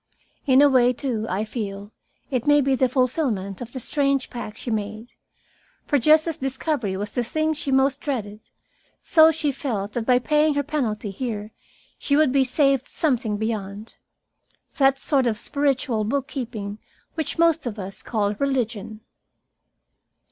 In a way, too, I feel, it may be the fulfilment of that strange pact she made. For just as discovery was the thing she most dreaded, so she felt that by paying her penalty here she would be saved something beyond that sort of spiritual book keeping which most of us call religion.